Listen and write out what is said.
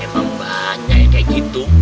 emang banyak kayak gitu